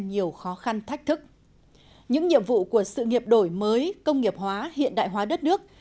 nhiều khó khăn thách thức những nhiệm vụ của sự nghiệp đổi mới công nghiệp hóa hiện đại hóa đất nước